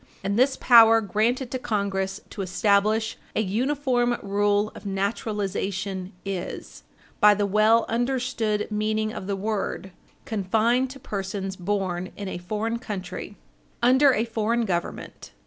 And this power granted to Congress to establish an uniform rule of naturalization is, by the well understood meaning of the word, confined to persons born in a foreign country, under a foreign Government.